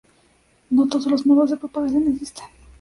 No todos los modos de propagación existen.